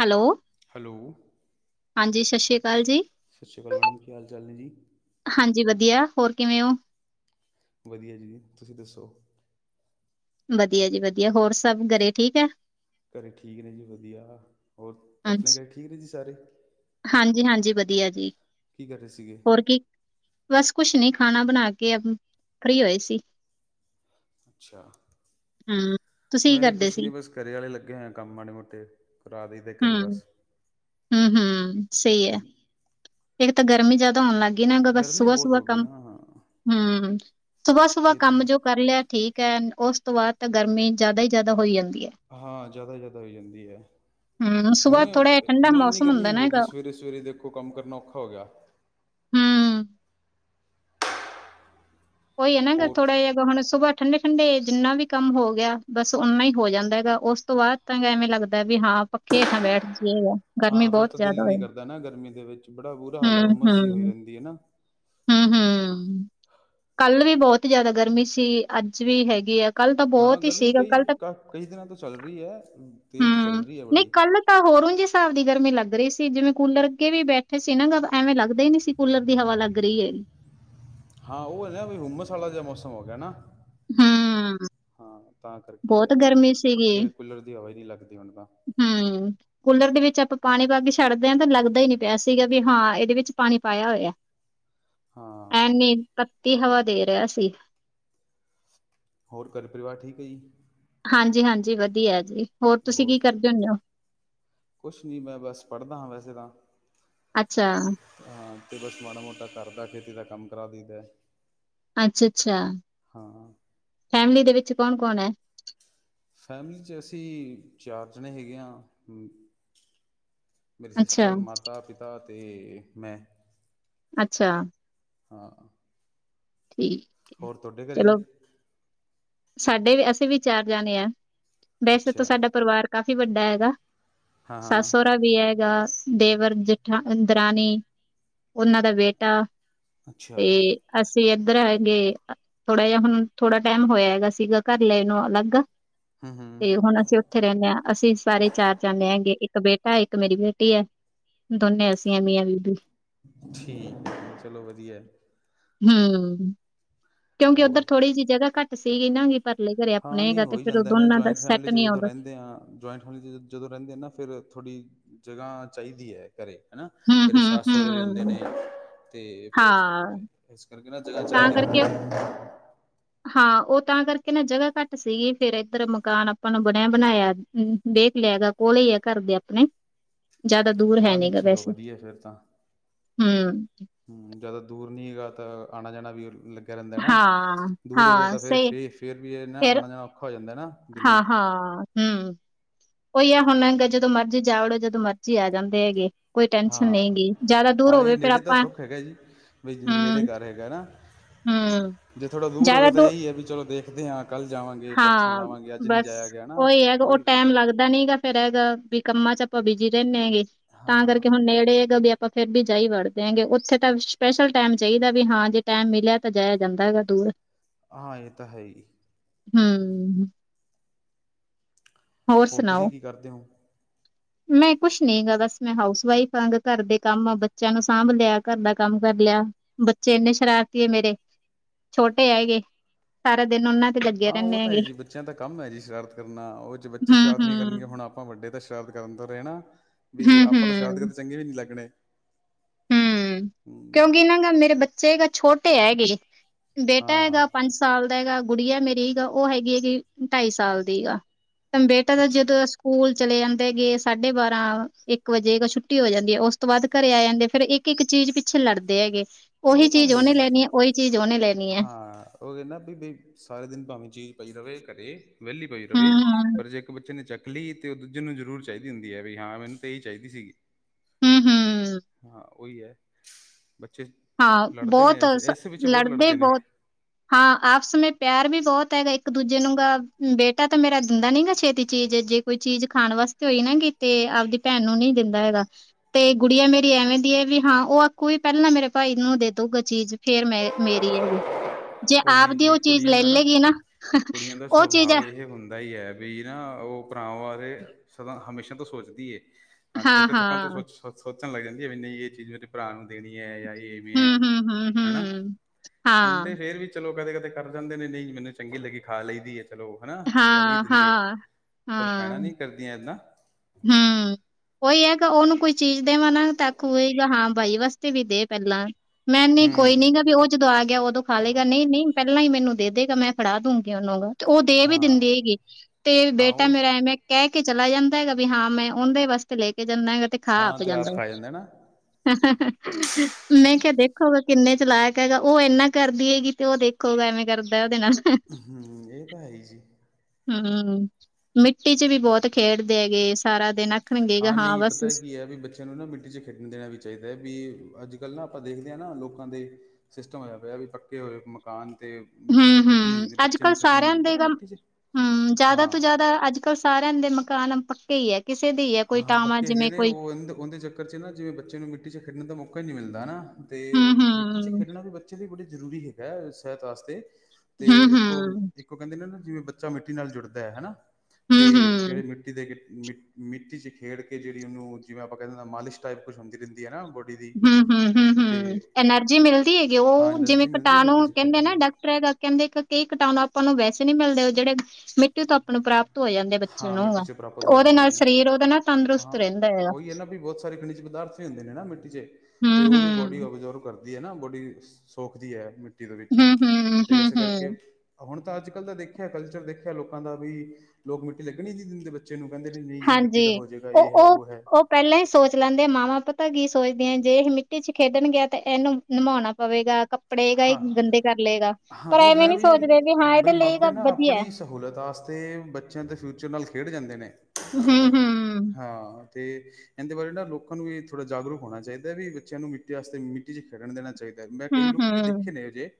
Hello. Hello, ਹਾਂਜੀ ਸਤਿ ਸ਼੍ਰੀ ਅਕਾਲ ਜੀ, ਸਤਿ ਸ਼੍ਰੀ ਅਕਾਲ ਮੈਡਮ, ਕੀ ਹਾਲ ਚਾਲ ਨੇ ਜੀ? ਹਾਂਜੀ, ਵਧੀਆ ਹੋਰ ਕਿਵੇਂ ਹੋ। ਵਧੀਆ ਜੀ ਤੁਸੀਂ ਦੱਸੋ? ਵਧੀਆ ਜੀ ਵਧੀਆ ਹੋਰ ਸਭ ਘਰੇ ਠੀਕ ਹੈ। ਕਰੇ ਠੀਕ ਨੇ ਜੀ ਵਧੀਆ, ਹੋਰ ਆਪਣੇ ਹਾਂਜੀ, ਕਰੇ ਠੀਕ ਨੇ ਜੀ ਸਾਰੇ। ਹਾਂਜੀ-ਹਾਂਜੀ, ਵਧੀਆ ਜੀ। ਕੀ ਕਰ ਰਹੇ ਸੀਗੇ। ਹੋਰ ਕੀ ਬਸ ਕੁਛ ਨੀ ਖਾਣਾ ਬਣਾ ਕੇ ਫ੍ਰਰੀ ਹੋਏ ਸੀ। ਅੱਛਾ, ਹੂੰ ਤੁਸੀਂ ਮੈਂ ਕੀ ਵੀ ਕਰਦੇ ਕੁਛ ਸੀ? ਨਹੀਂ ਬਸ ਕਰੇ ਆਰਹੇ ਲੱਗੇ ਹੋਏ ਕੰਮ ਮਾੜੇ ਮੋਟੇ ਕਰਾ ਦਈ ਦੇ ਕਰੇ ਬਸ। ਹੁੰ, ਹੁੰ ਸਹੀ ਐ। ਇੱਕ ਤਾਂ ਗਰਮੀ ਜ਼ਿਆਦਾ ਹੋਣ ਲੱਗ ਗਈ ਨਾ ਬਸ ਗਰਮੀ ਸੁਬਹ ਬਹੁਤ ਸੁਬਹ ਹੋ ਗਈ ਕੰਮ ਨਾ ਹਾਂ ਹੁੰ, ਸੁਬਾਹ ਸੁਬਾਹ ਇਹ ਤਾਂ ਕੰਮ ਹੈ ਜੋ ਕਰ ਲਿਆ ਠੀਕ ਐ, ਉਸ ਤੋਂ ਬਾਅਦ ਤਾਂ ਗਰਮੀ ਜ਼ਿਆਦਾ ਹੀ ਜ਼ਿਆਦਾ ਹੋਈ ਜਾਂਦੀ ਐ। ਹਾਂ, ਜ਼ਿਆਦਾ ਜ਼ਿਆਦਾ ਹੋ ਜਾਂਦੀ ਐ, ਹੂੰ, ਹੁਣ, ਸੁਬਾਹ ਥੋੜਾ ਠੰਡਾ ਹੁਣ ਇੰਨੀ ਮੌਸਮ ਹੁੰਦਾ ਗਰਮੀ ਨਾ ਹੋ ਗਈ ਹੈਗਾ, ਸਵੇਰੇ ਸਵੇ ਵੀਰੇ ਦੇਖੋ ਕੰਮ ਕਰਨਾ ਔਖਾ ਹੋ ਗੇਆ। ਹਮ ਓਈ ਐ ਨਾ, ਅਗਰ ਹੋਰ ਥੋੜਾ ਜੇਆ ਹੁਣ, ਸੁਬਾਹ ਠੰਡੇ -ਠੰਡੇ ਜਿੰਨਾ ਵੀ ਕੰਮ ਹੋ ਗੇਆ ਬਸ, ਓਨਾ ਈ ਹੋ ਜਾਂਦਾ ਗਾ ਓਸ ਤੋਂ ਬਾਦ ਤਾਂ, ਐਵੇਂ ਲੱਗਦਾ ਵੀ, ਹਾਂ ਪੱਖੇ ਹੇਠਾਂ ਬੈਠ ਜੀਏ। ਹਾਂ ਫੇਰ ਤਾਂ ਦਿਲ ਈ ਨੀਂ ਕਰਦਾ ਨਾ ਗਰਮੀ ਦੇ ਵਿੱਚ ਬੜਾ ਬੁਰਾ ਹਾਲ ਐ, ਹੁੰਮਸ ਜੀ ਹੋਈ ਰੈਂਦੀ ਐ ਹੈਨਾ। ਹੂੰ-ਹੂੰ। ਕੱਲ ਵੀ ਬੌਤ ਜਾਦਾ ਗਰਮੀ ਸੀ, ਅੱਜ ਵੀ ਹੈਗੀ ਐ ਕੱਲ ਤਾਂ ਬੌਤ ਹੀ ਸੀਗਾ ਕੱਲ ਤਾਂ ਕਈ ਦਿਨਾਂ ਤੋਂ ਚੱਲ ਰਈ ਐ, ਤੇਜ ਚੱਲ ਹੂੰ ਰੀ ਐ ਨਹੀਂ ਬੜੀ। ਕੱਲ ਤਾਂ ਹੋਰੋਂ ਜੇ ਹੇਸਾਬ ਦੀ ਗਰਮੀ ਲੱਗ ਰਈ ਸੀ, ਜਿਵੇਂ ਕੂਲਰ ਅੱਗੇ ਵੀ ਬੈਠੇ ਸੀ ਨਾ ਗ ਐਵੇਂ ਲੱਗਦਾ ਈ ਨੀ ਸੀ। ਕੂਲਰ ਦੀ ਹਵਾ ਲੱਗ ਰੀ ਹੈਗੀ। ਹਾਂ, ਓ ਐ ਨਾ ਹੁੰਮਸ ਵਾਲਾ ਜੇਆ ਮੌਸਮ ਹੋ ਗੇਆ ਨਾ। ਹਮ। ਹਾਂ, ਤਾਂ ਕਰਕੇ ਐ ਵੀ, ਪੱਖੇ-ਕੂਲਰ ਦੀ ਹਵਾ ਈ ਨੀਂ ਲੱਗਦੀ ਹੁਨ ਤਾਂ ਹਮ ਕੂਲਰ ਦੇ ਵਿੱਚ ਆਪਾਂ ਪਾਣੀ ਪਾ ਕੇ ਛੱਡਦੇ ਆਂ ਤਾਂ ਲੱਗਦਾ ਈ ਨੀ ਪੇਆ ਸੀਗਾ, ਵੀ ਹਾਂ ਇਦੇ ਵਿੱਚ ਪਾਣੀ ਪਾਏਆ ਹੋਏਆ। [inaudible] ਹਾਂ ਐਨੀ ਤੱਤੀ ਹਵਾ ਦੇ ਰੇਆ ਸੀ। ਹੋਰ, ਘਰ ਪਰਿਵਾਰ ਠੀਕ ਐ ਜੀ? ਹਾਂਜੀ -ਹਾਂਜੀ, ਵਧੀਆ ਜੀ ਹੋਰ ਤੁਸੀਂ ਕੀ ਕਰਦੇ ਹੁੰਨੇ ਓ? ਕੁਛ ਨੀ, ਮੈਂ ਬਸ ਪੜਦਾ ਹਾਂ ਵੈਸੇ ਤਾਂ ਅੱਛਾ, ਹਾਂ, ਤੇ ਬਸ ਮਾੜਾ ਮੋਟਾ ਘਰ ਦਾ, ਖੇਤੀ ਦਾ ਕੰਮ ਕਰਾ ਦੇਈ ਦਾ। ਅੱਛਾ -ਅੱਛਾ, ਹਾਂ ਫੈਮਲੀ ਦੇ ਵਿੱਚ ਕੌਣ- ਕੌਣ ਐ? ਫੈਮਲੀ 'ਚ ਅਸੀ ਚਾਰ ਜਣੇ ਹੈਗੇ ਆਂ। ਮੇਰੀ ਅੱਛਾ, ਸਿਸਟਰ, ਮਾਤਾ, ਪਿਤਾ ਤੇ ਮੈਂ। ਅੱਛਾ। ਹਾਂ ਠੀਕ, ਹੋਰ ਤੁਹਾਡੇ ਘਰੇ ਜੀ ਚਲੋ ਸਾਡੇ ਵੀ ਅਸੀ ਵੀ ਚਾਰ ਜਾਨੇ ਆਂ। ਵੈਸੇ ਤੋ, ਅੱਛਾ ਸਾਡਾ ਪਰਵਾਰ ਕਾਫੀ ਵੱਡਾ ਹੈਗਾ ਹਾਂ ਹਾਂ ਸੱਸ, ਸੋ ਸੋਹਰਾ ਵੀ ਹੈਗਾ, ਦੇਵਰ ਜੇਠ ਦਰਾਨੀ, ਓਨਾਂ ਦਾ ਬੇਟਾ ਅੱਛਾ ਤੇ, ਅਸੀਂ। ਅਸੀਂ ਏਧਰ ਹੈਗੇ ਥੋੜਾ ਜੇਹਾ ਹੁਨ ਥੋੜਾ ਟਾਈਮ ਹੋਏਆ ਹੈਗਾ, ਸੀਗਾ ਘਰ ਲਏ ਨੂੰ ਅਲੱਗ। ਹੂੰ-ਹੂੰ ਤੇ ਹੁਨ ਅਸੀਂ ਉ ਥੇ, ਰੈਂਨੇ ਆਂ, ਅਸੀ ਸਾਰੇ ਚਾਰ ਜਨੇ ਹੈਗੇ ਇਕ ਬੇਟਾ, ਇਕ ਮੇਰੀ ਬੇਟੀ ਐ ਦੋਨੇ ਅਸੀ ਆਂ ਮੀਆਂ ਬੀਬੀ। ਠੀਕ, ਚਲੋ ਵਦੀਐ ਹੂੰ ਕਿਉਂਕਿ ਉੱਧਰ ਹੋਰ ਥੋੜੀ ਜੀ ਜਗਾ ਘੱਟ ਸੀਗੀ ਨਾ, ਪਰਲੇ ਘਰੇ ਆਪਨੇ ਹੈਗਾ ਤੇ ਫੇਰ ਦੋਨਾਂ ਦਾ ਸੈੱਟ ਫੈਮਲੀ 'ਚ ਨਹੀਂ ਜਦੋਂ ਆਉਂਦਾ ਰੈਂਦੇ ਆਂ, ਜੁਆਏਂਟ ਫੈਮਲੀ 'ਚ ਜਦੋਂ ਰੈਂਦੇ ਆ ਨਾ ਫੇਰ ਥੋੜੀ ਜਗਾ ਚਾਈਦੀ ਐ। ਘਰੇ, ਹੈਨਾ ਹੂੰ ਘਰੇ ਹੂੰ ਸੱਸ- ਸੋਹਰੇ ਵੀ ਹੁੰਦੇ ਹੂੰ ਨੇ, ਤੇ ਫੇਰ ਹਾਂ ਇਸ ਕਰਕੇ ਨਾ ਜਗਾ ਤਾਂ ਕਰਕੇ ਚਾਈਦੀ ਹਾਂ, ਓ ਤਾਂ ਕਰਕੇ ਨਾ ਜਗ੍ਹਾ ਘੱਟ ਸੀ ਗੀ, ਫੇਰ ਏਧਰ ਮਕਾਨ ਆਪਾਂ ਨੂੰ ਬਨੇਆ ਬਨਾਏਆ ਦੇਖ ਲੇਆ ਗਾ ਕੋਲੇ ਈ ਆ ਘਰ ਦੇ ਆਪਨੇ [inaudible] ਜਾਦਾ ਦੂਰ ਹੈ ਹਾਂ ਨਹੀਂ ਨੀ ਗਾ ਚਲੋ ਵੈਸੇ, ਵਧੀਆ ਫਿਰ ਤਾਂ ਹੂੰ। ਹੂੰ। ਜਾਦਾ ਦੂਰ ਨੀ ਹੈਗਾ ਤਾਂ ਆਣਾ ਜਾਣਾ ਵੀ ਲੱਗ ਗਾ ਰੈਂਦਾ ਨਾ। ਹਾਂ, ਦੂਰ ਹੋਵੇ ਹਾਂ ਤਾਂ ਫੇਰ ਸਹੀ ਫੇਰ ਫੇਰ ਵੀ ਏ ਨਾ ਆਣਾ ਜਾਣਾ ਔਖਾ ਹੋ ਜਾਂਦਾ ਐਨਾ ਦਿਨੇ। ਹਾਂ ਹੂਂ। ਉਈ ਆ ਹੁਣ ਗ ਜਦੋਂ ਮਰਜੀ ਜਾ ਵੜੋ ਜਦੋਂ ਮਰਜੀ ਆ ਜਾਂਦੇ ਹੈਗੇ। ਕੋਈ ਟੈਨਸ਼ਨ ਨਹੀਂ ਹਾਂ। ਗੀ, ਜ਼ਿਆਦਾ ਦੂਰ ਹਾਂ ਏ ਹੋਵੇ ਫਿਰ ਨੇੜੇ ਦਾ ਆਪਾਂ ਸੁੱਖ ਹੈਗਾ ਜੀ ਬਈ ਨੇੜੇ ਹੂੰ, ਘਰ ਹੈਗਾ ਨਾ। ਹੂੰ, ਜੇ ਥੋੜਾ ਦੂਰ ਹੋਵੇ ਤਾਂ ਏਈ ਐ ਬੀ ਚਲੋ ਦੇਖਦੇ ਆਂ ਕੱਲ ਜਾਵਾਂਗੇ। ਪਰਸੋਂ ਹਾਂ। ਜਾਵਾਂਗੇ ਅੱਜ ਨਹੀਂ ਬਸ ਜਾਇਆ ਗਿਆ ਨਾ ਓਈ ਹੈਗਾ ਓ ਉਹੀ ਟੈਮ ਰਹਿੰਦਾ ਫਿਰ ਲੱਗਦਾ ਨੀਗਾ। ਫਿਰ ਹੈਗਾ ਵੀ ਕੰਮਾਂ ਚ ਆਪਾਂ ਬਿਜੀ ਰੈਨੇ ਹੈਗੇ, ਤਾਂ ਹਾਂ ਕਰਕੇ ਹੁਣ ਨੇੜੇ ਹੈਗਾ ਵੀ ਅਪ ਆਪਾਂ ਫੇਰ ਵੀ ਜਾਈ ਵੜਦੇ ਹੈਂਗੇ। ਓਥੇ ਤਾਂ ਸਪੈਸ਼ਲ ਟਾਈਮ ਚਾਈਦਾ ਵੀ ਹਾਂ ਜੇ ਟਾਈਮ ਮਿਲੇਆ ਤਾਂ ਜਾਏਆ ਜਾਂਦਾ ਹੈਗਾ ਦੂਰ। ਹਾਂ, ਏ ਤਾਂ ਹੈ ਈ। ਹੂੰ। ਹੋਰ ਤੁਸੀਂ ਸੁਨਾਓ। ਕੀ ਕਰਦੇ ਹੋ ਮੈਂ ਕੁਛ ਨੀ ਗਾ ਬੱਸ ਮੈਂ ਹਾਊਸ ਵਈਫ ਆਂ। ਗ ਘਰ ਦੇ ਕੰਮ ਆ ਬੱਚੇਆਂ ਨੂੰ ਸਾਂਭ ਲੇਆ, ਘਰ ਦਾ ਕੰਮ ਕਰ ਲੇਆ। ਬੱਚੇ ਏਨੇ ਸ਼ਰਾਰਤੀ ਐ ਮੇਰੇ। ਛੋਟੇ ਹੈਗੇ ਸਾਰਾ ਦਿਨ ਓਨਾਂ ਹਾਂ ਓ ਤਾਂ ਹੈ ਜੀ ਬੱਚੇਆਂ ਦਾ ਕੰਮ ਐ ਜੀ ਸ਼ਰਾਰਤ ਕਰਨਾ। ਓ ਚ ਬੱਚੇ ਸ਼ਰਾਰਤ ਨੀ ਹੂੰ-ਹੂੰ, ਕਰਨਗੇ ਹੁਣ ਆਪ ਆਪਾਂ ਵੱਡੇ ਤਾਂ ਸ਼ਰਾਰਤ ਕਰਨ ਤੋਂ ਰਏ ਨਾ। ਵੀ ਹੂੰ-ਹੂੰ, ਆਪਾਂ ਤਾਂ ਸ਼ਰਾਰਤ ਹੂੰ। ਕਰਦੇ ਚੰਗੇ ਵੀ ਨੀ ਲੱਗਣੇ। ਹੂੰ। ਹਮ ਕਿਉਂਕਿ ਏਨਾਂ ਗਾ ਮੇਰੇ ਬੱਚੇ ਗ ਛੋਟੇ ਹੈਗੇ। ਬੇਟਾ ਹਾਂ ਹੈਗਾ ਪੰਜ ਸਾਲ ਦਾ ਹੈਗਾ। ਗੁੜੀਆ ਮੇਰੀ ਗਾ ਓ ਹੈਗੀ ਗੀ ਢਾਈ ਸਾਲ ਦੀ ਗਾ। ਬੇਟਾ ਤਾ ਅੱਛਾ ਜਦੋਂ ਸਕੂਲ ਚਲੇ ਜਾਂਦੇ ਗੇ ਸਾਢੇ ਬਾਰਾਂ ਏਕ ਵਜੇ ਗਾ ਛੁੱਟੀ ਹੋ ਜਾਂਦੀ ਐ। ਓਸ ਤੋਂ ਬਾਦ ਘਰੇ ਆ ਜਾਂਦੇ। ਫੇਰ ਏਕ ਏਕ ਚੀਜ ਪਿੱਛੇ ਲੜਦੇ ਹੈਗੇ। ਉਹ ਓਹੀ ਤਾਂ ਹੈ ਚੀਜ ਹੀ ਓਨੇ ਜੀ ਲੈਨੀ ਐ ਓਈ ਚੀਜ ਓਨੇ ਲੈਣ ਹਾਂ। ਓਦੇ ਨ ਬੀ ਬੀ ਬਈ ਸਾਰੇ ਦਿਨ ਭਾਵੇਂ ਚੀਜ ਪਈ ਰਵੇ ਘਰੇ ਵੇਲੀ ਪਈ ਰਵੇ, ਹੂੰ ਪਰ ਜੇ ਇੱਕ ਬੱਚੇ ਨੇ ਚੱਕ ਲੀ ਤੇ ਓ ਦੂਜੇ ਨੂੰ ਜਰੂਰ ਚਾਈਦੀ ਹੁੰਦੀ ਏ ਵੀ ਹਾਂ ਮੈਨੂੰ ਤੇ ਏਈ ਚਾਈਦੀ ਸੀ ਗੀ। ਹੂੰ ਹੂੰ ਹਾਂ ਓਈ ਐ। ਬੱਚੇ ਹਾਂ, ਲੜਦੇ ਨੇ ਬੋਤ ਇਸ ਸ ਇਸ ਵਿੱਚ ਬਹੁਤ ਲੜਦੇ ਨੇ ਬੋਤ। ਹਾਂ ਆਪਸ ਮੇਂ ਪੇਆਰ ਵੀ ਬੋਤ ਹੈਗਾ ਇੱਕ ਦੂਜੇ ਨੂੰ ਗਾ ਬੇਟਾ ਤਾਂ ਮੇਰਾ ਦਿੰਦਾ ਨੀ ਗਾ ਛੇਤੀ ਚੀਜ ਜੇ ਕੋਈ ਚੀਜ ਖਾਣ ਵਾਸਤੇ ਹੋਈ ਨਾ ਕਿਤੇ ਆਪਦੀ ਭੈਣ ਨੂੰ ਨੀ ਦਿੰਦਾ ਹੈਗਾ। ਤੇ ਗੁੜੀਆਂ ਮੇਰੀ ਐਵੇਂ ਦੀ ਐ ਵੀ ਹਾਂ ਓ ਆਖੂਗੀ ਪੈਲਾਂ ਮੇਰੇ ਭਾਈ ਨੂੰ ਦੇ ਦੂਗਾ ਚੀਜ ਫੇਰ ਮੇ ਮੇਰੀ ਹੈਗੀ। ਜੇ ਉਹ ਆਪ ਨਹੀਂ ਦੀ ਜੀ ਓ ਚੀਜ ਕੁੜੀਆਂ ਲੇ ਦਾ ਲੇਗੀ ਨਾ ਓ ਚੀਜ ਤੇ ਹੁੰਦਾ ਈ ਐ। ਵੀਰਾਂ ਓ ਭਰਾਵਾਂ ਬਾਰੇ ਸਦਾ ਹਮੇਸ਼ਾ ਤੋਂ ਸੋਚਦੀ ਏ। ਹਾਂ ਛੋਟੇ ਥੱਕਾਂ ਤੋਂ ਸੋਚ ਸੋਚਣ ਲੱਗ ਜਾਂਦੀ ਏ ਵੀ ਨਈ ਏ ਚੀਜ ਮੇਰੇ ਭਰਾ ਨੂੰ ਦੇਣੀ ਐ ਯਾ ਐ ਹੂੰ ਹੂੰ ਹੂੰ ਹਨਾ। ਹੂੰ ਮੁੰਡੇ ਹਾਂ ਫੇਰ ਵੀ ਚਲੋ ਕਦੇ ਕਦੇ ਕਰ ਜਾਂਦੇ ਨੇ ਨਈ ਮੈਨੂੰ ਚੰਗੀ ਲੱਗੀ ਖਾ ਲਈਦੀ ਐ। ਚਲੋ ਹਨਾ ਯਾ ਨੀ ਹਾਂ ਦਿੰਦੇ ਹਾਂ ਪਰ ਹਾਂ ਭੈਣਾ ਨੀ ਕਰਦੀਆਂ ਐਦਾਂ। ਹੂੰ। ਓਈ ਐ ਕ ਓਨੂੰ ਕੋਈ ਚੀਜ ਦੇਵਾਂ ਨਾ ਤਾ ਆਖੂਗੀ ਹਾਂ ਬਾਈ ਵਾਸਤੇ ਵੀ ਦੇ ਪੈਲਾਂ। ਮੈ ਨੀ ਹੂੰ ਕੋਈ ਨੀ ਗਾ ਵੀ ਓ ਜਦੋਂ ਆ ਗੇਆ ਓਦੋਂ ਖਾ ਲੇਗਾ। ਨਈ ਨਈ ਪੇਲਾਂ ਈ ਮੈਨੂੰ ਦੇ ਦੇਗਾ ਮੈਂ ਫੜਾ ਦੂੰਗੀ ਓਨੂੰ ਗਾ। ਤੇ ਓ ਦੇ ਵੀ ਹਾਂ ਦਿੰਦੀ ਹੈਗੀ। ਤੇ ਹਾਂ ਬੇਟਾ ਉਹ ਮੇਰਾ ਐਵੇਂ ਕੈ ਕੇ ਚਲਾ ਜਾਂਦ ਦਾ ਹੈਗਾ ਵੀ ਹਾਂ ਮੈਂ ਓਂਦੇ ਵਾਸਤੇ ਲੇਕੇ ਜਾਂਨਾ ਹੈਗਾ ਤੇ ਖਾ ਹਾਂ ਆਪੇ ਤੇ ਜਾਂਦਾ। ਆਪ ਖਾ ਨਾ ਮੈਂ ਕੇਆ ਦੇਖੋਗਾ ਕਿੰਨੇ ਚਲਾਕ ਹੈਗਾ। ਓ ਇੰਨਾ ਕਰਦੀ ਹੈਗੀ ਤੇ ਓ ਦੇਖ ਖੋ ਐਵੇਂ ਕਰਦਾ ਐ ਓਦੇ ਨਾਲ। ਹੂੰ। ਏ ਤਾਂ ਹੈ ਈ ਜੀ। ਹਮ-ਹਮ ਮਿੱਟੀ 'ਚ ਵੀ ਬਹੁਤ ਖੇਡਦੇ ਐਗੇ ਸਾਰਾ ਦਿਨ ਆਖਣਗੇ ਗਾ ਹਾਂ, ਨਈ ਬਸ ਪਤਾ ਕੀ ਐ ਵੀ ਬੱਚੇ ਐਨੂ ਨਾ ਮਿੱਟੀ 'ਚ ਖੇਡਨ ਦੇਨਾ ਵੀ ਚਾਈਦਾ ਵੀ ਅੱਜ ਕੱਲ੍ਹ ਨਾ ਆਪਾਂ ਦੇਖਦੇ ਆ ਨਾ ਲੋਕਾਂ ਦੇ ਸਿਸਟਮ ਹੋਇਆ ਪਿਆ ਵੀ ਪੱਕੇ ਹੋਏ ਮਕਾਨ ਤੇ ਹੂੰ ਮਿੱਟੀ 'ਚ ਖੇਡਨ ਨੀ ਹੂੰ ਦਿੰਦੇ ਅੱਜ ਬੱਚੇ ਕੱਲ੍ਹ ਨੂੰ ਖੇਡਨ ਨੀ ਸਾਰਿਆਂ ਦਿੰਦੇ ਦੇ ਨਾ ਗਾ ਮਿੱਟੀ 'ਚ ਹੂੰ ਜ਼ਿਆਦਾ ਹਾਂ ਤੋਂ ਜ਼ਿਆਦਾ ਅੱਜ ਸਾਰਿਆਂ ਦੇ ਮਕਾਨ ਪੱਕੇ ਈ ਐ। ਕਿਸੇ ਦੀ ਹਾਂ, ਪੱਕੇ ਹੈਗੇ ਨੇ ਉਦੇਂ-ਉਦੇਂ ਚੱਕਰ 'ਚ ਨਾ ਜਿਵੇਂ ਬੱਚੇ ਨੂੰ ਮਿੱਟੀ 'ਚ ਖੇਡਨ ਦਾ ਮੌਕਾ ਈ ਨੀ ਮਿਲਦਾ ਨਾ। ਤੇ ਹੂੰ ਮਿੱਟੀ 'ਚ ਹੂੰ ਖੇਡਣਾ ਵੀ ਬੱਚੇ ਲਈ ਬੜੀ ਜ਼ਰੂਰੀ ਹੈਗਾ ਸਿਹਤ ਵਾਸਤੇ। ਤੇ ਹੂੰ ਹੂੰ ਇੱਕੋ -ਇੱਕੋ ਕੈਂਦੇ ਨੇ ਨਾ ਜਿਵੇਂ ਬੱਚਾ ਮਿੱਟੀ ਨਾਲ ਜੁੜਦਾ ਹੈ ਹੈਨਾ। ਤੇ ਹੂੰ ਹੂੰ ਜੇੜੇ ਮਿੱਟੀ ਦੇ ਮਿ ਮਿੱਟੀ 'ਚ ਖੇਡ ਕੇ ਜੇੜੀ ਉਨੂੰ ਜਿਵੇਂ ਆਪਾਂ ਕਹਿ ਦੇਨੇ ਆ ਮਾਲਸ਼ ਟਾਈਪ ਕੁਛ ਹੁੰਦੀ ਰੈਦੀਂ ਨਾ ਬ ਹਮ-ਹਮ-ਹਮ-ਹਮ, ਐਨਰਜੀ ਮਿਲਦੀ ਐਗੀ ਉ ਹਾਂ ਜਿਵੇਂ ਐਨਰਜੀ ਮਿਲਦੀ ਹੈ ਕੀਟਾਣੂ ਮਿੱਟੀ 'ਚ ਕੈਂਦੇ ਖੇਡਣ ਨਾ ਨਾਲ ਡਾਕਟਰ ਐਗਾ ਕੈਂਦੇ ਇੱਕ ਕਈ ਕਟਾਣੂ ਆਪਾਂ ਨੂੰ ਵੈਸੇ ਨੀ ਮਿਲਦੇ ਜੇੜੇ ਮਿੱਟੀ ਤੋਂ ਆਪਾਂ ਨੂੰ ਪ੍ਰਾਪ ਤ ਹੋ ਜਾਂਦੇ ਬੱਚੇ ਹਾਂ ਨੂੰ ਮਿੱਟੀ 'ਚ ਪ੍ਰਾਪਤ ਤੇ ਹੋ ਉਦੇ ਜਾਂਦੇ ਨਾਲ ਸਰੀਰ ਉਦਾ ਨਾ ਤੰਦਰੁਸਤ ਰੈਂਦਾ ਹੈਗਾ। ਕੇਨਾ ਵੀ ਬਹੁਤ ਸਾਰੇ ਖਨਿਜ ਪਦਾਰਥ ਵੀ ਹੁੰਦੇ ਨੇ ਨਾ ਮਿੱਟੀ 'ਚ ਤੇ ਹੂੰ, ਉਹ ਵੀ ਬੋਡੀ ਹੂੰ, ਔਬਜਰਵ ਕਰ ਦੀ ਏ ਨਾ ਬੋਡੀ ਸੋਖਦੀ ਐ ਮਿੱਟੀ ਦੇ ਵਿੱਚੋਂ ਹੂੰ, ਹੂੰ, ਤੇ ਹੂੰ, ਇਸ ਕਰਕੇ ਹੂੰ ਹੁਣ ਤਾਂ ਅੱਜ ਕੱਲ੍ਹ ਦਾ ਦੇਖਿਆ ਕਲਚਰ ਦੇਖਿਆ ਲੋਕਾਂ ਦਾ ਵਈ ਲੋਕ ਮਿੱਟੀ ਲੱਗਣ ਈ ਨੀ ਦਿੰਦੇ ਬ ਚੇ ਨੂੰ ਕੈਦੇਂ ਨੇ ਨਹੀਂ ਜੀ ਮਿੱਟੀ ਦਾ ਹੋ ਜੇਗਾ ਏ ਹੈ ਔ ਹੈ। ਪੈਲਾਂ ਹੀ ਸੋਚ ਲੈਂਦੇ ਆ ਮਵਾਂ ਪੱਤਾ ਕੀ ਸੋਚਦੀ ਆ ਜੇ ਇਹ ਮਿੱਟੀ 'ਚ ਖੇਡਨ ਗਿਆ ਤੇ ਏਨੂੰ ਨੌਵਾਣਾ ਪਵੇਗਾ ਕੱਪੜੇ ਗਏ ਹਾਂ ਗੰਦੇ ਕਰ ਲੇਗਾ, ਹਾਂ ਪਰ ਉਹ ਐਵੇਂ ਹੈ ਨੀ ਸੋਚਦੇ ਵੀ ਹਾਂ ਏਦੇ ਬਈ ਲਈ ਤਾ ਮਾਪੇ ਨਾ ਵਧੀਆ। ਆਪਣੀ ਸਹੂਲਤ ਵਾਸਤੇ ਬੱਚਿਆਂ ਦੇ ਫਿਊਚਰ ਨਾਲ ਖੇਡ ਜਾਂਦੇ ਨੇ ਹੂੰ, ਹੂੰ, ਹਾਂ। ਤੇ ਇੰਦੇ ਬਾਰੇ ਨਾ ਲੋਕਾਂ ਨੂੰ ਵੀ ਥੋੜ੍ਹਾ ਜਾਗਰੂਕ ਹੋਨਾ ਚਾਈਦਾ ਵੀ ਬੱਚਿਆਂ ਨੂੰ ਮਿੱਟੀ ਵਾਸਤੇ ਮਿੱਟੀ 'ਚ ਖੇਡਣ ਦੇਣਾ ਚਾਈਦਾ। ਕਈ ਹੂੰ, ਲੋਕੀ ਵੀ ਹੂੰ ਦੇਖੇ ਨੇ ਅਹੇਜੇ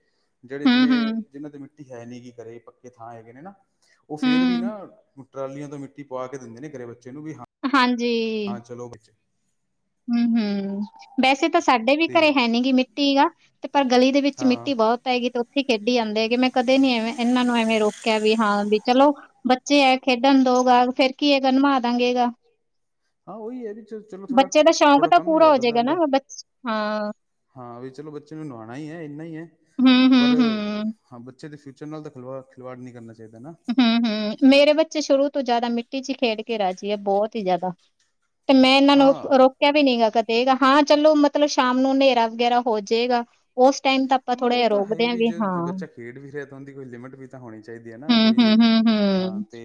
ਜੇੜੇ ਹੂੰ, ਜਿਵੇਂ ਹੂੰ, ਜਿਨਾਂ ਦੇ ਮਿ ਟੀ ਹੈ ਨੀ ਘਰੇ ਪੱਕੇ ਥਾਂ ਹੈਗੇ ਨੇ ਨਾ ਔ ਫੇਰ ਵੀ ਹੂੰ, ਨਾ ਟਰਾਲੀਆਂ ਤੋਂ ਮਿੱਟੀ ਪਵਾ ਕੇ ਦਿੰਦੇ ਨੇ ਘਰੇ ਬੱਚੇ ਨੂੰ ਵੀ ਹਾਂ ਹਾਂਜੀ। ਚਲੋ। [unintelligible] ਹਮ-ਹਮ ਵੈਸੇ ਤਾਂ ਸਾਡੇ ਵੀ ਤੇ ਘਰੇ ਹੈ ਨੀਗੀ ਮਿੱਟੀ ਗ ਤੇ ਪਰ ਗਲੀ ਦੇ ਵਿੱਚ ਹਾਂ ਮਿੱਟੀ ਬੋਤ ਪੈਗੀ ਤੇ ਓਥੇ ਈ ਖੇਡੀ ਜਾਂਦੇ ਹੈਗੇ, ਮੈਂ ਕਦੇ ਨੀ ਐਵੇਂ ਏਨਾਂ ਨੂੰ ਐਵੇਂ ਰੋ ਕਯਾ ਵੀ ਹਾਂ ਵੀ ਚਲੋ ਬੱਚੇ ਐ ਖੇਡਣ ਦੋ ਗਾ ਫੇਰ ਕੀ ਐਗਾ ਨਵਾ ਦਾਂਗੇ ਗਾ ਹਾਂ, ਔਈ ਐ ਵੀ ਚਲੋ ਬੱਚੇ ਦਾ ਸ਼ੌਂਕ ਥੋੜਾ-ਥੋੜਾ ਤਾਂ ਕੰਮ ਈ ਪੂਰਾ ਹੋ ਵੱਧ ਜਾਏਗਾ ਨਾ ਜਾਂਦਾ। ਬਚ ਹਾਂ, ਹਾਂ ਵੀ ਚਲੋ ਬੱਚੇ ਨੂੰ ਨਵਾਣਾ ਈ ਐ ਇੰਨਾ ਈ ਐ ਹੂੰ, ਪਰ ਹੂੰ, ਹੂੰ। ਹਾਂ, ਬੱਚੇ ਦੇ ਫਿਊਚਰ ਨਾਲ ਤਾਂ ਖਿਲਵਾ-ਖਿਲਵਾੜ ਨਹੀਂ ਕਰਨਾ ਚਾਈਦਾ ਨਾ ਹਮ-ਹਮ, ਮੇਰੇ ਬੱਚੇ ਸ਼ੁਰੂ ਤੋਂ ਜਾਦਾ ਮਿੱਟੀ ਇਚ ਖੇਡ ਕੇ ਰਾਜੀ ਬੋਤ ਈ ਜਾਦਾ। ਤੇ ਮੈਂ ਇਨਾਂ ਨੂੰ ਹਾਂ ਰੋ ਕਆ ਵੀ ਨੀ ਐਗਾ ਕਦੇ ਹਾਂ, ਚਲੋ ਮਤਲਬ ਸ਼ਾਮ ਨੂੰ ਨੇਰਾ ਵਗੈਰਾ ਹੋ ਜੇਗਾ ਉਸ ਟਾਈਮ ਤਾਂ ਆਪਾਂ ਹਾਂ ਉਹ ਥੋੜ੍ਹੇ ਤਾਂ ਹੈ ਰੋਕਦੇ ਹੀ ਵੀ ਐਗੇ ਜੇ ਹਾਂ ਜੇ ਬੱਚਾ ਖੇਡ ਵੀ [unintelligible] ਕੋਈ ਲਿਮਿਟ ਵੀ ਤਾਂ ਹੋਨੀ ਚਾਈਦੀ ਏ ਨਾ ਹੂੰ, ਹੂੰ, ਕੋਈ ਹੂੰ, ਹਾਂ ਹੂੰ ਤੇ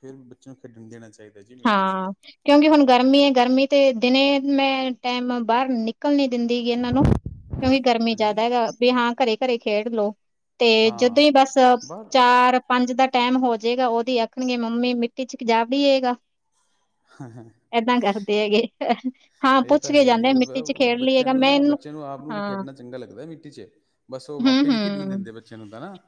ਫੇਰ ਬੱਚੇ ਨੂੰ ਖੇਡਨ ਦੇਣਾ ਚਾਈਦਾ। ਹਾਂ, ਕਿਉਂਕਿ ਹੁਨ ਗਰਮੀ ਏ ਗਰਮੀ ਤੇ ਦਿਨੇ ਮੈਂ ਟੈਮ ਬਾਰ ਨੀ ਲਨ ਨੀ ਦਿੰਦੀ ਗੀ ਇਨਾਂ ਨੂੰ ਕਿਉਂਕਿ ਗਰਮੀ ਹਾਂਜੀ ਜਾਦਾ ਐਗਾ ਵੀ ਹਾਂ ਘਰੇ-ਘਰੇ ਖੇਡ ਲੋ। ਤੇ ਹਾਂ ਜਦੋਂ ਈ ਬਸ ਬਾਹਰ ਚਾਰ ਪੰਜ ਦਾ ਟੈਮ ਹੋ ਜੇਗਾ ਉਦੀ ਆਖਨਗੇ ਮੰਮੀ ਮਿੱਟੀ 'ਚ ਜਾ ਵੜੀਏਗਾ। ਹੈਂ-ਹੈਂ। ਏਦਾਂ ਕਰਦੇ ਐ ਗੇ। ਇਹ ਤਾਂ ਹੈ ਹੀ ਬੱਚਿਆਂ ਨੂੰ ਮੈਂ ਨਾ ਇਹਨੂੰ ਬੱਚਿਆਂ ਨੂੰ ਆਪ ਨੂੰ ਵੀ ਹਾਂ ਖੇਡਣਾ ਚੰਗਾ ਲੱਗਦਾ ਮਿੱਟੀ ਚ। ਬਸ ਉਹ ਹੂੰ, ਮਾਪੇ ਨੀ ਖੇਡਣ ਹੂੰ ਦਿੰਦੇ ਬੱਚਿਆਂ ਨੂੰ ਤਾਂ ਹਨਾ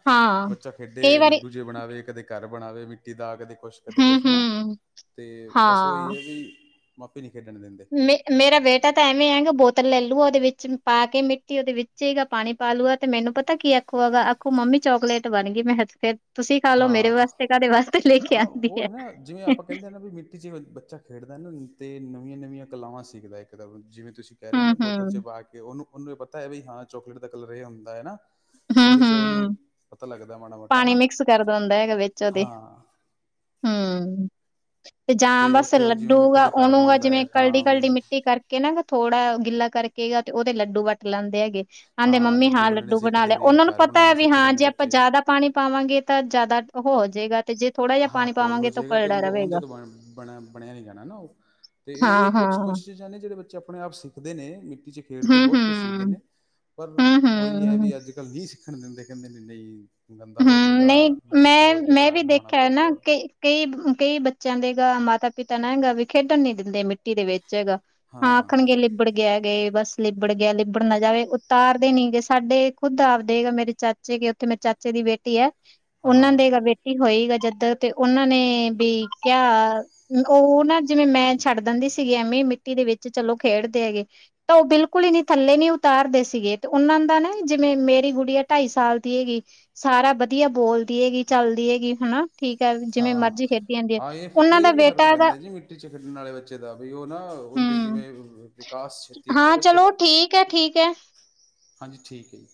ਬੱਚਾ ਕਈ ਖੇਡੇ ਵਾਰੀ ਲੱਡੂ, ਬਣਾਵੇ ਕਦੇ ਘਰ ਬਣਾਵੇ ਮਿੱਟੀ ਦਾ ਕਦੇ, ਕੁਛ ਕਦੇ ਹੂੰ, ਕੁਛ ਹਨਾ ਹੂੰ, ਤੇ ਬਸ ਹਾਂ, ਉਹੀ ਮਾਪੇ ਨੀ ਖੇਡਣ ਦਿੰਦੇ। ਮੇ ਮੇਰਾ ਬੇਟਾ ਤਾਂ ਐਵੇਂ ਹੈਗਾ ਬੋਤਲ ਲੈ ਲੂਗਾ ਉਹਦੇ ਵਿੱਚ ਪਾ ਕੇ ਮਿੱਟੀ ਉਹਦੇ ਵਿੱਚ ਹੀਗਾ, ਪਾਣੀ ਪਾ ਲੂਗਾ ਤੇ ਮੈਨੂੰ ਪਤਾ ਕੀ ਆਖੁਗਾ ਆਖੋ ਮੰਮੀ ਚੋਕਲੇਟ ਬਣ ਗਈ ਮੈਂ ਕਿਹਾ ਫੇਰ, ਤੁਸੀਂ ਖਾ ਲੋ ਮੇਰੇ ਹਾਂ। ਵਾਸਤੇ ਘਾਹਦੇ ਵਾਸਤੇ ਲੈ ਕੇ ਆਂਦੀ ਹੈ। ਜੇ ਬੱਚਾ ਖੇਡਦਾ ਨਾ ਤੇ ਨਵੀਆਂ ਨਵੀਆਂ ਕਲਾਵਾਂ ਸਿੱਖਦਾ ਇੱਕ ਜਿਵੇਂ ਤੁਸੀਂ, ਕਹਿ ਰਹੇ ਹੋ ਹੂੰ, ਨਾ ਬੋਤਲ ਚ ਹੂੰ, ਪਾ ਕੇ ਉਹਨੂੰ ਉਹਨੂੰ ਪਤਾ ਹੈ ਬ ਵੀ ਹਾਂ ਚੋਕਲੇਟ ਦਾ ਕਲਰ ਇਹ ਹੁੰਦਾ ਹੈ ਨਾ। ਹੂੰ, ਉਹਦੇ ਚ ਉਹਨੂੰ ਪਤਾ ਲੱਗਦਾ ਮਾੜਾ ਮੋਟਾ ਹਨਾ। ਕਰਦਾ ਦਿੰਦਾ ਹੈਗਾ ਵਿੱਚ ਉਹਦੇ ਹਾਂ ਹੂੰ। ਤੇ ਜਾਂ ਬਸ ਉੱਥੇ ਉਹ ਜਿਵੇਂ ਮਿੱਟੀ ਲੱਡੂਗਾ ਦੇ ਘਰ ਉਹਨੂਗਾ ਬਣਾਉਂਦਾ ਹੈ ਜਿਵੇਂ ਕਰਡੀ ਤਾਂ ਕਰਡੀ ਵੀ ਮਿੱਟੀ ਕਰਕੇ। ਕੇ ਨਾ ਥੋੜ੍ਹਾ ਗਿੱਲਾ ਕਰਕੇ ਗਾ ਤੇ ਉਹਦੇ ਲੱਡੂ ਵੱਟ ਲੈਂਦੇ ਹੈਗੇ ਕਹਿੰਦੇ ਮੰਮੀ ਹਾਂ ਬੰਨਣੇ ਲੱਡੂ ਬਣਾ ਸਿੱਖਦੇ ਲਿਆ। ਨੇ ਉਹਨਾਂ ਨੂੰ ਘਰ ਪਤਾ ਹੈ ਬਣਾਉਣੇ ਵੀ ਸਿੱਖਦੇ ਹਾਂ ਨੇ ਜੇ ਆਪਾਂ ਬੱਚੇ ਜ਼ਿਆਦਾ ਪਾਣੀ ਪਾਵਾਂਗੇ ਤਾਂ ਜ਼ਿਆਦਾ ਉਹ ਹੋ ਜਾਏਗਾ ਤੇ ਜੇ ਥੋੜਾ। ਜਿਹਾ ਹਾਂ ਪਾਣੀ ਖੋਲ ਹੋ ਪਾਵਾਂਗੇ ਤਾਂ ਜਾਏਗਾ ਤੇ ਕਲੜਾ ਉਹ ਓਦੇ ਰਵੇਗਾ ਤੋਂ ਬਣ ਬਣਿਆ ਬਣਿਆ ਨ ਜਾਣਾ ਨਾ ਉਹ, ਤੇ ਇਹ ਕੁਛ ਹਾਂ-ਹਾਂ, ਕੁਛ ਚੀਜ਼ਾਂ ਨੇ ਜਿਹੜੇ ਬੱਚੇ ਆਪਣੇ ਆਪ ਸਿੱਖਦੇ ਨੇ ਮਿੱਟੀ ਚ ਖੇਡ ਕੇ ਬਹੁਤ ਕੁਛ ਸਿੱਖਦੇ ਹੂੰ-ਹੂੰ, ਨੇ। ਪਰ ਉਹੀ ਹੈ ਹੂੰ-ਹੂੰ। ਵੀ ਅੱਜ-ਕੱਲ ਨਹੀਂ ਸਿੱਖਣ ਦਿੰਦੇ ਕਹਿੰਦੇ ਨੇ ਨਈ, ਗੰਦਾ ਹੋ ਹੂੰ, ਨਹੀਂ ਜਾਏਗਾ ਮਿੱਟੀ ਚ ਹੋ ਮੈਂ ਮੈਂ ਜਾਏਗਾ ਵੀ ਨਹਾਉਣਾ, ਦੇਖਿਆ ਹੈ ਨਾ ਪਊਗਾ ਕਈ ਕਈ ਕਈ ਬੱਚਿਆਂ ਦੇਗਾ ਮਾਤਾ ਪਿਤਾ ਨਾ ਹੈਗਾ ਵੀ ਖੇਡਣ ਨੀ ਦਿੰਦੇ ਮਿੱਟੀ ਦੇ ਵਿੱਚ ਹੈਗਾ, ਹਾਂ ਆਖਣਗੇ ਲਿਬਡ ਗਿ ਗਏ ਬਸ ਲਿਬੜ ਗਿਆ ਲਿਬੜ ਨਾ ਜਾਵੇ ਉਤਾਰਦੇ ਨੀ ਗਏ ਸਾਡੇ ਖੁੱਦ ਆਬਦੇ ਗਾ ਮੇਰੇ ਚਾ ਚਾਚੇ ਉੱਥੇ ਮੇਰੇ ਚਾਚੇ ਦੀ ਬੇਟੀ ਹੈ ਹਾਂ ਉਹਨਾਂ ਹਾਂ ਦੇ ਬੇ ਹੋਈ ਜਿੱਦ ਤੇ ਉਹਨਾਂ ਨੇ ਵੀ ਕਿਆ, ਉਹ ਨਾ ਜਿਵੇਂ ਮੈਂ ਛੱਡ ਦਿੰਦੀ ਸੀਗੀ ਐਵੇਂ ਮਿੱਟੀ ਦੇ ਵਿੱਚ ਚਲੋ ਖੇਡਦੇ ਹੈਗੇ, ਤਾਂ ਉਹ ਬਿਲਕੁਲ ਹੀ ਨੀ ਥੱਲੇ ਨੀ ਉਤਾਰਦੇ ਸੀਗੇ ਤੇ ਉਹਨਾਂ ਦਾ ਨਾ ਜਿਵੇਂ ਮੇਰੀ ਗੁੜੀਆ ਢਾਈ ਸਾਲ ਦੀ ਹੈਗੀ, ਸਾਰਾ ਵਧੀਆ ਬੋਲਦੀ ਐ ਗੀ ਚੱਲਦੀ ਐ ਗੀ ਹਨਾ, ਠੀਕ ਹੈ ਜਿਵੇਂ ਹਾਂ, ਮਰਜ਼ੀ ਖੇਡੀ ਜਾਂਦੀ ਹੈ ਹਾਂ ਇਹ ਉਹਨਾਂ ਦਾ ਇਹ ਵੀ ਫ਼ਰਕ ਬੇਟਾ ਦਾ ਪੈਂਦਾ ਜੀ ਮਿੱਟੀ ਚ ਖੇਡਣ ਵਾਲੇ ਬੇ ਬੱਚੇ ਦਾ ਬੀ ਉਹ ਨਾ ਉਹਦੀ ਹਮ ਜਿਵੇਂ ਵਿਕਾਸ ਛੇਤੀ ਹੁੰਦਾ ਹਾਂ ਬੱਚੇ ਚਲੋ ਦਾ, ਠੀਕ ਹੈ ਠੀਕ ਹੈ ਹਾਂਜੀ, ਠੀਕ ਐ ਜੀ।